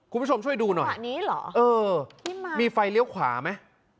คุณผู้ชมช่วยดูหน่อยขวานี้เหรอเออมีไฟเลี้ยวขวาไหม